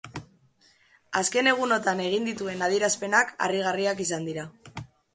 Azken egunotan egin dituen adierazpenak harrigarriak izan dira.